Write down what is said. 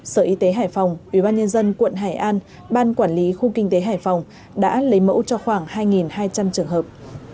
sở y tế hải phòng ubnd quận hải an ban quản lý khu kinh tế hải phòng đã lấy mẫu cho khoảng hai hai trăm linh trường hợp